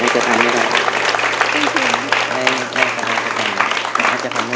จริงหรือเปล่า